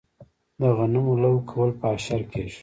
د غنمو لو کول په اشر کیږي.